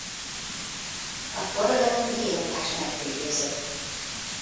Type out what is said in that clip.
A forradalom vérontás nélkül győzött.